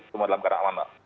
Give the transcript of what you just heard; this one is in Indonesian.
semua dalam keadaan aman